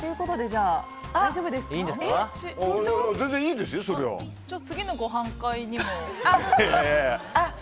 じゃあ、次のごはん会にも。